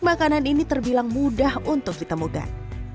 makanan ini terbilang mudah untuk ditemukan